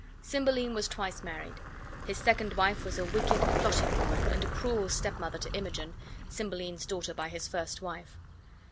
Cymbeline was twice married. His second wife was a wicked, plotting woman, and a cruel stepmother to Imogen, Cymbeline's daughter by his first wife.